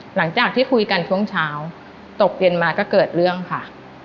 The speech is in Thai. หลังจากที่คุยกันช่วงเช้าตกเย็นมาก็เกิดเรื่องค่ะ